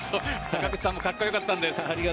坂口さんもかっこよかったです。